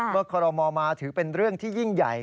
คอรมอลมาถือเป็นเรื่องที่ยิ่งใหญ่